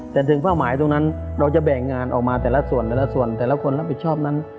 แต่ถึงเป้าหมายตรงนั้นเราจะแบ่งงานออกมาแต่ละส่วนแต่ละส่วนแต่ละคนรับผิดชอบนั้น